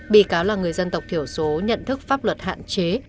bị cáo là người dân tộc thiểu số nhận thức pháp luật hạn chế